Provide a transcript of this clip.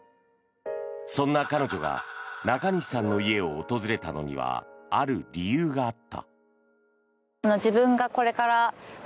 そんな彼女が中西さんの家を訪れたのにはある理由があった。